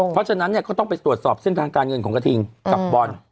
เพราะฉะนั้นเนี่ยก็ต้องไปตรวจสอบเส้นทางการเงินของกระทิงกับบอล